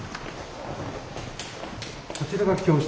こちらが教室？